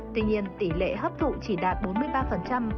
tuy nhiên tỷ lệ hấp thụ chỉ đạt bốn mươi ba